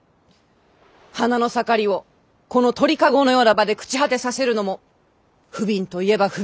花の盛りをこの鳥籠のような場で朽ち果てさせるのも不憫といえば不憫。